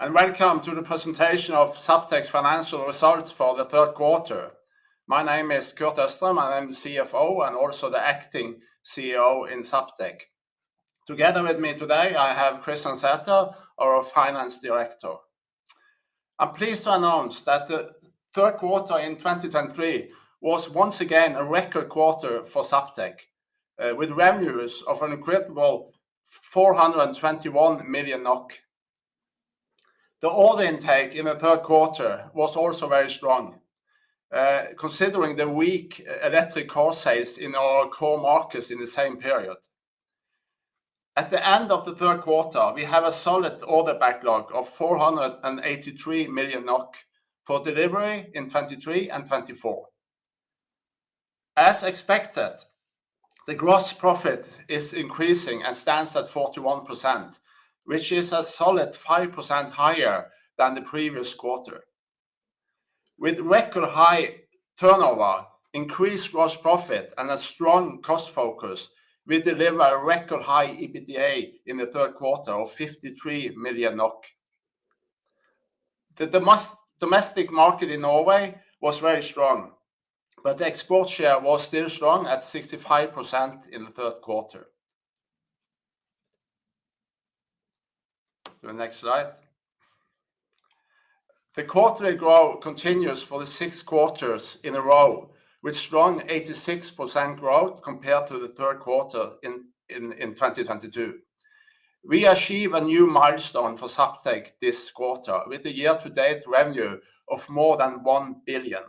Welcome to the presentation of Zaptec's financial results for the third quarter. My name is Kurt Østrem, and I'm CFO, and also the acting CEO in Zaptec. Together with me today, I have Kristian Sæther, our Finance Director. I'm pleased to announce that the third quarter in 2023 was once again a record quarter for Zaptec, with revenues of an incredible 421 million NOK. The order intake in the third quarter was also very strong, considering the weak electric car sales in our core markets in the same period. At the end of the third quarter, we have a solid order backlog of 483 million NOK for delivery in 2023 and 2024. As expected, the gross profit is increasing and stands at 41%, which is a solid 5% higher than the previous quarter. With record high turnover, increased gross profit, and a strong cost focus, we deliver a record high EBITDA in the third quarter of 53 million NOK. The domestic market in Norway was very strong, but the export share was still strong at 65% in the third quarter. To the next slide. The quarterly growth continues for the six quarters in a row, with strong 86% growth compared to the third quarter in 2022. We achieve a new milestone for Zaptec this quarter with a year to date revenue of more than 1 billion.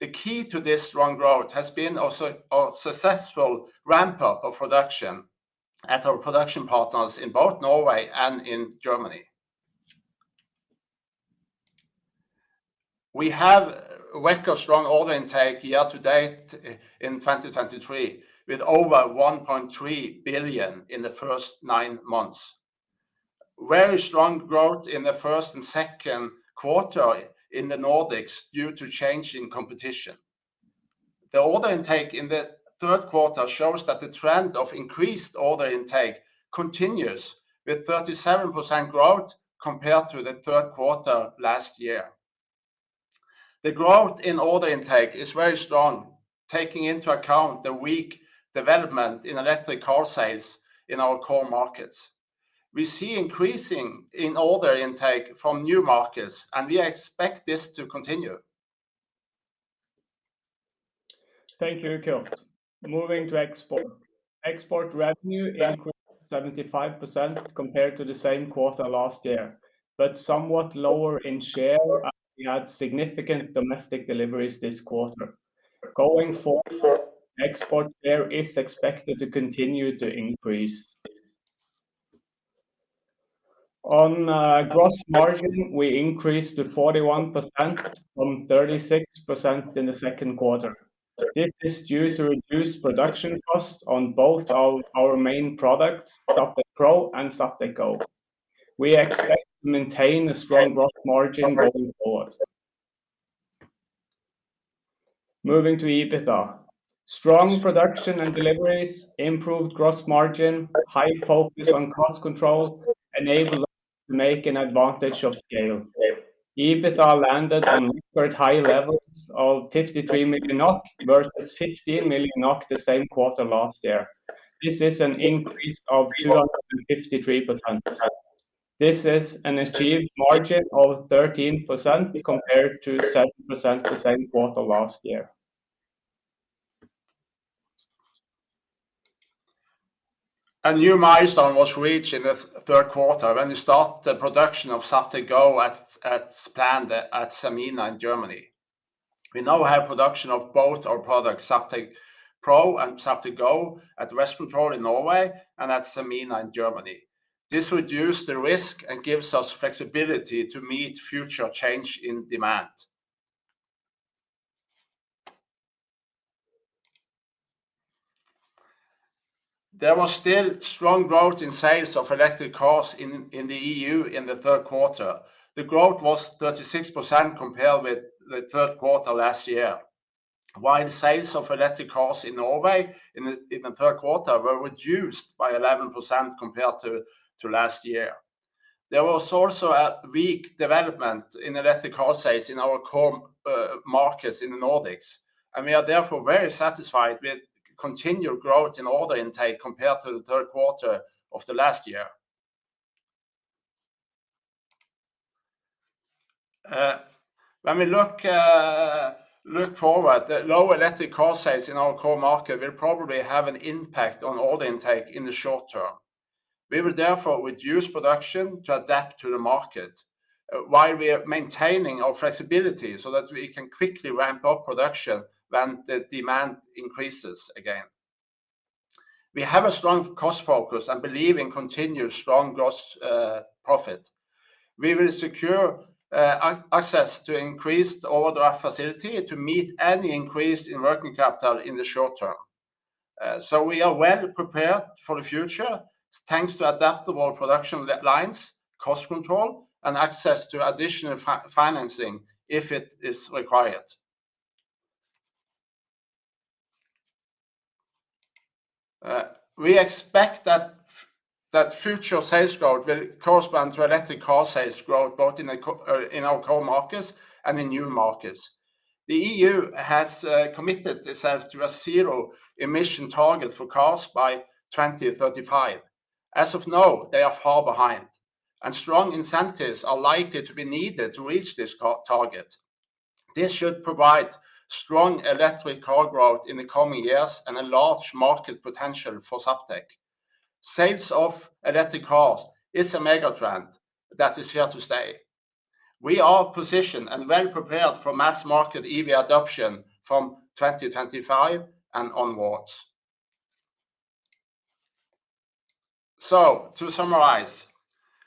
The key to this strong growth has been a successful ramp-up of production at our production partners in both Norway and in Germany. We have a record strong order intake year to date in 2023, with over 1.3 billion in the first nine months. Very strong growth in the first and second quarter in the Nordics due to change in competition. The order intake in the third quarter shows that the trend of increased order intake continues with 37% growth compared to the third quarter last year. The growth in order intake is very strong, taking into account the weak development in electric car sales in our core markets. We see increasing in order intake from new markets, and we expect this to continue. Thank you, Kurt. Moving to export. Export revenue increased 75% compared to the same quarter last year, but somewhat lower in share as we had significant domestic deliveries this quarter. Going forward, export share is expected to continue to increase. On gross margin, we increased to 41% from 36% in the second quarter. This is due to reduced production costs on both our main products, Zaptec Pro and Zaptec Go. We expect to maintain a strong gross margin going forward. Moving to EBITDA. Strong production and deliveries, improved gross margin, high focus on cost control enabled us to make an advantage of scale. EBITDA landed on record high levels of 53 million NOK versus 15 million NOK the same quarter last year. This is an increase of 253%. This is an achieved margin of 13% compared to 7% the same quarter last year. A new milestone was reached in the third quarter when we start the production of Zaptec Go at Sanmina in Germany. We now have production of both our products, Zaptec Pro and Zaptec Go, at Westcontrol in Norway and at Sanmina in Germany. This reduce the risk and gives us flexibility to meet future change in demand. There was still strong growth in sales of electric cars in the EU in the third quarter. The growth was 36% compared with the third quarter last year, while sales of electric cars in Norway in the third quarter were reduced by 11% compared to last year. There was also a weak development in electric car sales in our core markets in the Nordics, and we are therefore very satisfied with continued growth in order intake compared to the third quarter of the last year. When we look forward, the low electric car sales in our core market will probably have an impact on order intake in the short term. We will therefore reduce production to adapt to the market while we are maintaining our flexibility so that we can quickly ramp up production when the demand increases again. We have a strong cost focus and believe in continued strong gross profit. We will secure access to increased overdraft facility to meet any increase in working capital in the short term. So we are well prepared for the future, thanks to adaptable production lines, cost control, and access to additional financing if it is required. We expect that future sales growth will correspond to electric car sales growth, both in our core markets and in new markets. The EU has committed itself to a zero-emission target for cars by 2035. As of now, they are far behind, and strong incentives are likely to be needed to reach this car target. This should provide strong electric car growth in the coming years and a large market potential for Zaptec. Sales of electric cars is a mega trend that is here to stay. We are positioned and well-prepared for mass market EV adoption from 2025 and onwards. So to summarize,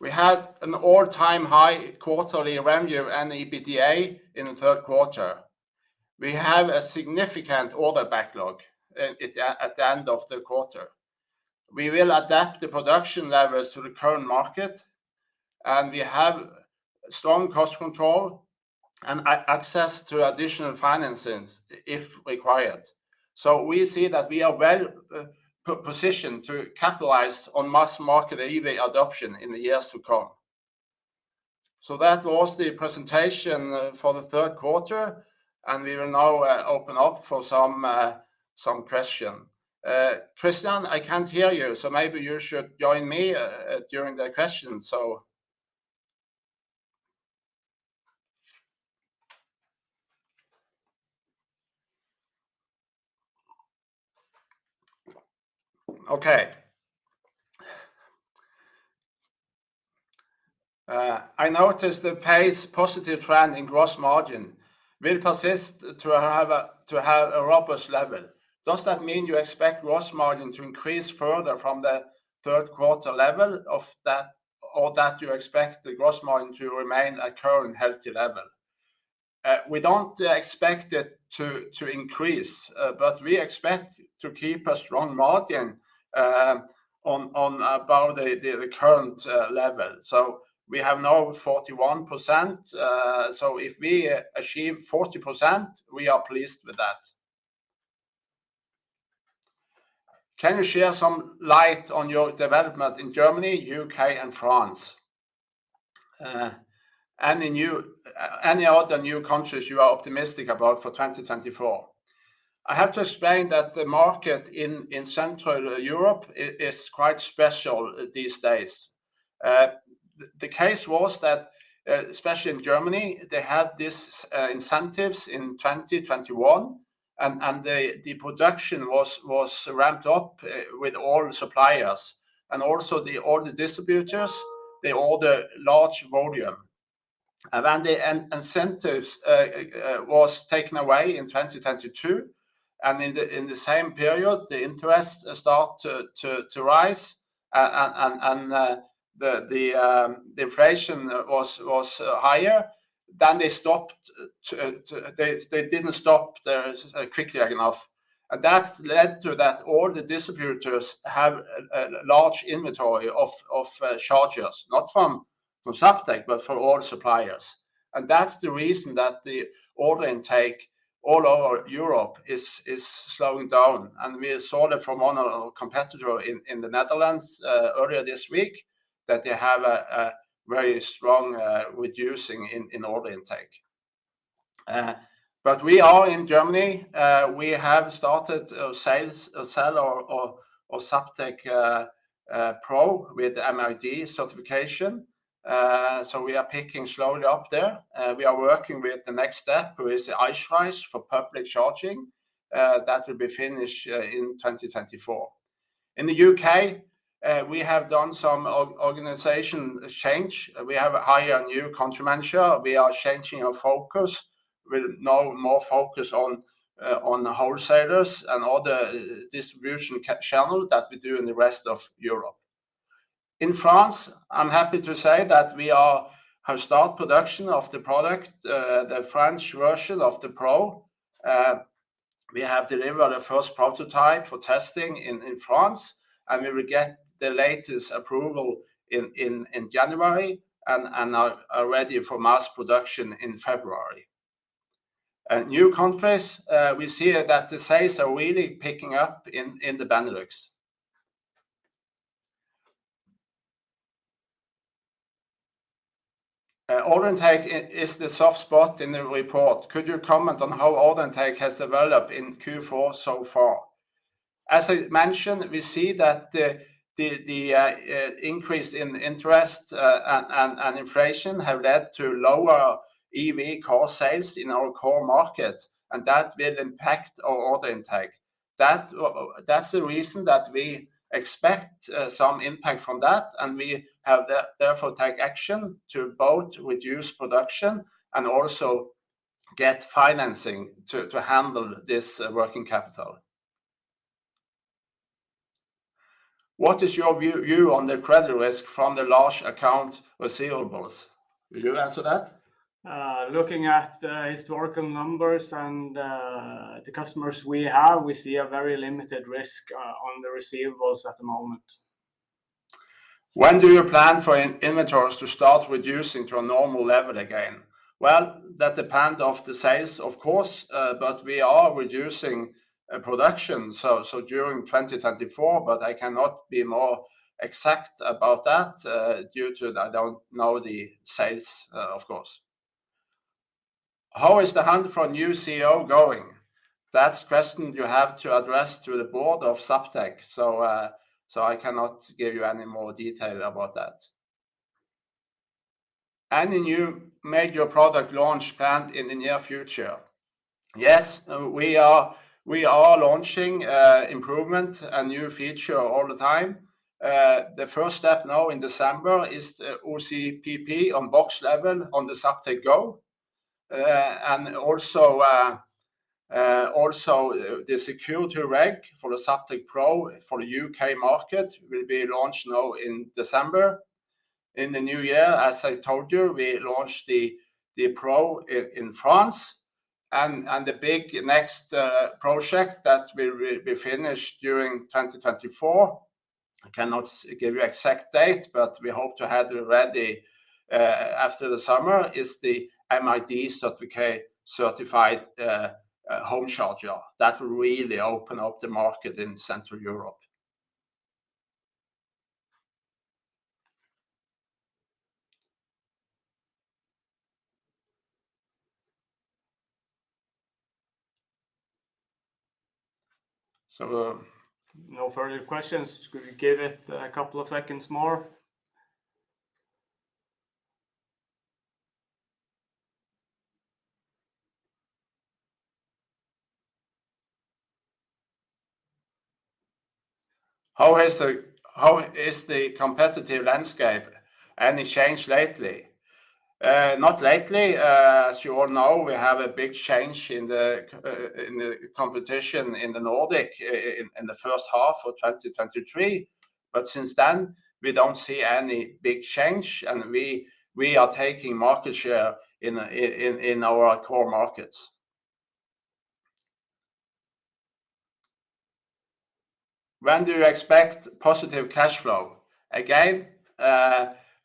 we had an all-time high quarterly revenue and EBITDA in the third quarter. We have a significant order backlog at the end of the quarter. We will adapt the production levels to the current market, and we have strong cost control and access to additional financings if required. So we see that we are well positioned to capitalize on mass market EV adoption in the years to come. So that was the presentation for the third quarter, and we will now open up for some question. Kristian, I can't hear you, so maybe you should join me during the question, so. Okay. I noticed the positive trend in gross margin will persist to have a robust level. Does that mean you expect gross margin to increase further from the third quarter level of that, or that you expect the gross margin to remain at current healthy level? We don't expect it to increase, but we expect to keep a strong margin on about the current level. So we have now 41%, so if we achieve 40%, we are pleased with that. Can you share some light on your development in Germany, U.K., and France, and any other new countries you are optimistic about for 2024? I have to explain that the market in Central Europe is quite special these days. The case was that, especially in Germany, they had this incentives in 2021, and the production was ramped up with all suppliers, and also all the distributors, they order large volume. And then the incentives was taken away in 2022, and in the same period, the interest start to rise, and the inflation was higher. Then they didn't stop there quickly enough, and that led to that all the distributors have a large inventory of chargers, not from Zaptec, but from all suppliers. And that's the reason that the order intake all over Europe is slowing down, and we saw that from one of our competitor in the Netherlands earlier this week, that they have a very strong reducing in order intake. But we are in Germany, we have started to sell our Zaptec Pro with the MID certification. So we are picking slowly up there. We are working with the next step, who is the Eichrecht for public charging. That will be finished in 2024. In the U.K., we have done some organization change. We have hired a new country manager. We are changing our focus with now more focus on the wholesalers and other distribution channel that we do in the rest of Europe. In France, I'm happy to say that we have started production of the product, the French version of the Pro. We have delivered the first prototype for testing in France, and we will get the latest approval in January and are ready for mass production in February. In new countries, we see that the sales are really picking up in the Benelux. Order intake is the soft spot in the report. Could you comment on how order intake has developed in Q4 so far? As I mentioned, we see that the increase in interest and inflation have led to lower EV car sales in our core market, and that will impact our order intake. That, that's the reason that we expect some impact from that, and we have therefore take action to both reduce production and also get financing to handle this working capital. What is your view on the credit risk from the large account receivables? Will you answer that? Looking at the historical numbers and the customers we have, we see a very limited risk on the receivables at the moment. When do you plan for inventories to start reducing to a normal level again? Well, that depend of the sales, of course, but we are reducing production, so during 2024, but I cannot be more exact about that, due to I don't know the sales, of course. How is the hunt for a new CEO going? That's question you have to address to the Board of Zaptec. So, I cannot give you any more detail about that. Any new major product launch planned in the near future? Yes, we are, we are launching improvement and new feature all the time. The first step now in December is the OCPP on box level on the Zaptec Go. And also, the security reg for the Zaptec Pro for the U.K. market will be launched now in December. In the new year, as I told you, we launched the Pro in France, and the big next project that will be finished during 2024, I cannot give you exact date, but we hope to have it ready after the summer, is the MID-certified home charger. That will really open up the market in Central Europe. So, no further questions. We give it a couple of seconds more. How is the competitive landscape? Any change lately? Not lately. As you all know, we have a big change in the competition in the Nordics in the first half of 2023. But since then, we don't see any big change, and we are taking market share in our core markets. When do you expect positive cash flow? Again,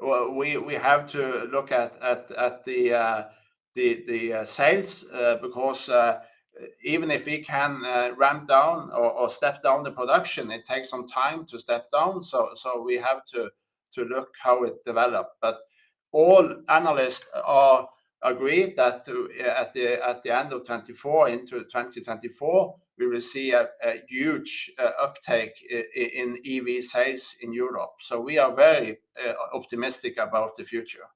well, we have to look at the sales because even if we can ramp down or step down the production, it takes some time to step down. So we have to look how it develop. But all analysts agree that, at the end of 2024, into 2024, we will see a huge uptake in EV sales in Europe, so we are very optimistic about the future.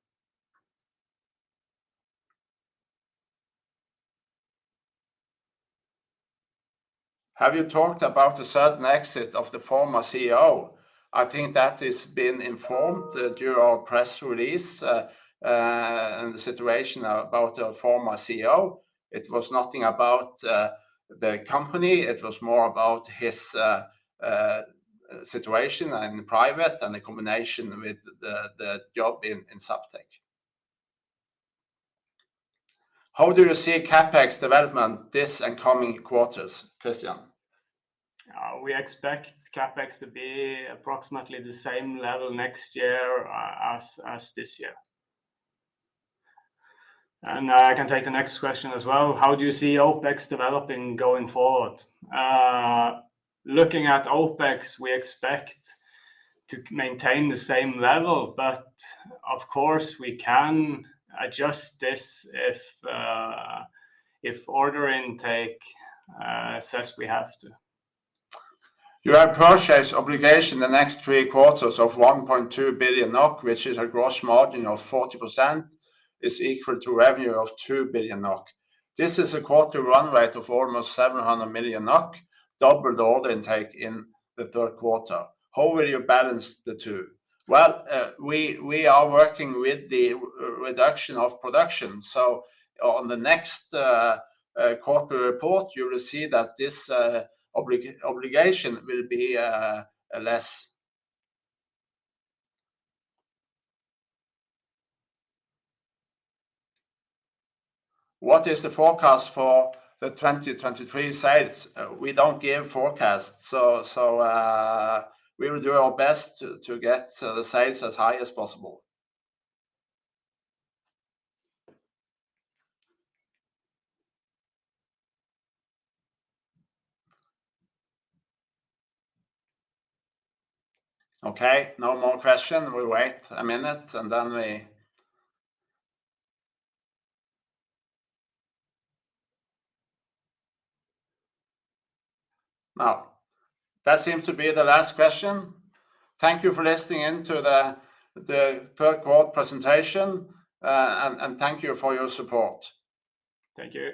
Have you talked about the sudden exit of the former CEO? I think that has been informed during our press release, and the situation about our former CEO. It was nothing about the company. It was more about his situation and private, and the combination with the job in Zaptec. How do you see CapEx development this and coming quarters, Kristian? We expect CapEx to be approximately the same level next year, as this year. I can take the next question as well: How do you see OpEx developing going forward? Looking at OpEx, we expect to maintain the same level, but of course, we can adjust this if order intake says we have to. Your purchase obligation the next three quarters of 1.2 billion NOK, which is a gross margin of 40%, is equal to revenue of 2 billion NOK. This is a quarter runway to almost 700 million NOK, double the order intake in the third quarter. How will you balance the two? Well, we, we are working with the reduction of production, so on the next corporate report, you will see that this obligation will be less. What is the forecast for the 2023 sales? We don't give forecasts, so, so we will do our best to, to get the sales as high as possible. Okay, no more question. We wait a minute, and then we... Now, that seems to be the last question. Thank you for listening in to the third quarter presentation, and thank you for your support. Thank you.